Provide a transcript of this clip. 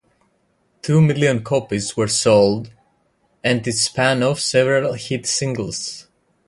Two million copies were sold and it spun off several hit singles.